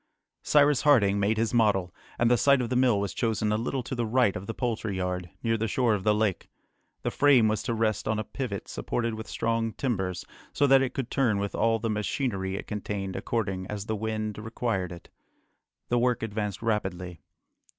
Cyrus Harding made his model, and the site of the mill was chosen a little to the right of the poultry yard, near the shore of the lake. The frame was to rest on a pivot supported with strong timbers, so that it could turn with all the machinery it contained according as the wind required it. The work advanced rapidly.